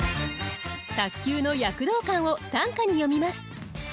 卓球の躍動感を短歌に詠みます。